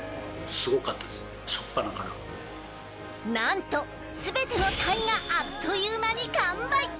なんと全てのタイがあっという間に完売。